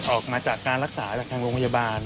ออกมาจากการรักษาจากทางโรงพยาบาล